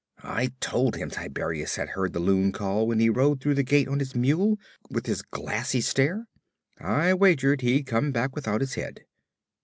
I told him Tiberias had heard the loon call when he rode through the gate on his mule, with his glassy stare. I wagered he'd come back without his head.'